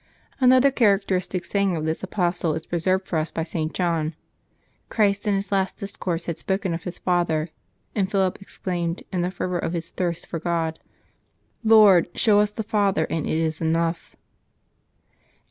Another character istic saying of this apostle is preserved for us by St. John. Christ in His last discourse had spoken of His Father ; an^ Philip exclaimed, in the fervor of his thirst for God, " Lord, show us the Father, and it is enough."